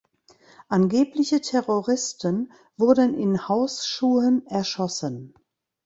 Angebliche Terroristen wurden in Hausschuhen erschossen.